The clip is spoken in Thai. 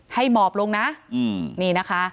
หมอบลงนะนี่นะคะ